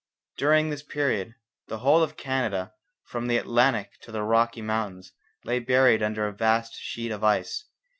During this period the whole of Canada from the Atlantic to the Rocky Mountains lay buried under a vast sheet of ice.